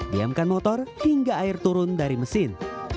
diamkan motor hingga air turun dari mesin